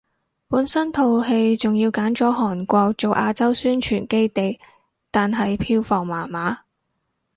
本身套戲仲要揀咗韓國做亞洲宣傳基地，但係票房麻麻